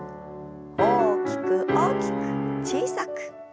大きく大きく小さく。